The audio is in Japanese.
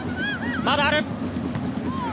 まだある。